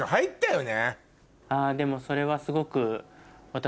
でもそれはすごく。